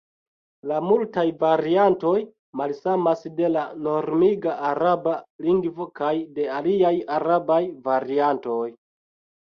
La multaj variantoj malsamas de la normiga araba lingvo kaj de aliaj arabaj variantoj.